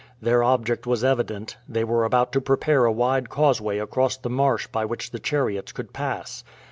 Their object was evident: they were about to prepare a wide causeway across the marsh by which the chariots could pass.